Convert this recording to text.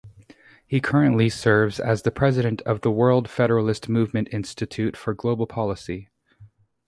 He currently serves as the President of the World Federalist Movement-Institute for Global Policy.